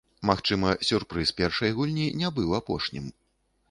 Магчыма, сюрпрыз першай гульні не быў апошнім.